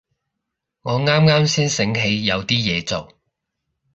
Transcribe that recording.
我啱啱先醒起有啲嘢做